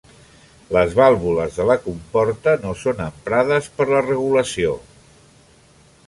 Les vàlvules de comporta no són emprades per a regulació.